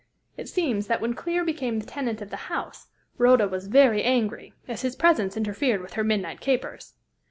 It seems that when Clear became the tenant of the house, Rhoda was very angry, as his presence interfered with her midnight capers.